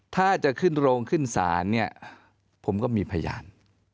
ถ้าจะขึ้นโรงขึ้นศาลเนี่ยผมก็มีพยาน